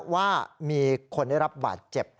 ว่ามีคนได้รับบาดเจ็บ